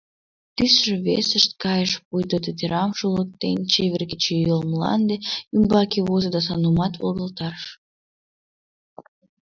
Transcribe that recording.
Тӱсшӧ весешт кайыш, пуйто, тӱтырам шулыктен, чевер кечыйол мланде ӱмбаке возо да Санумат волгалтарыш.